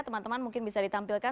teman teman mungkin bisa ditampilkan